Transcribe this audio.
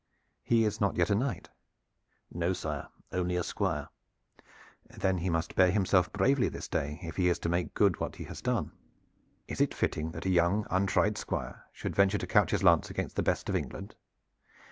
"He is not yet a knight?" "No, sire, only a Squire." "Then he must bear himself bravely this day if he is to make good what he has done. Is it fitting that a young untried Squire should venture to couch his lance against the best in England?"